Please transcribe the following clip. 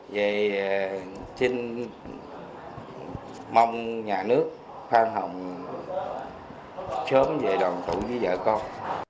vậy xin mong nhà nước phan hồng sớm về đồng tụ với vợ con